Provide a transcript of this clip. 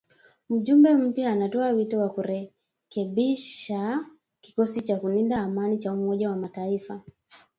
Mjumbe mpya anatoa wito wa kurekebishwa kikosi cha kulinda amani cha umoja wa mataifa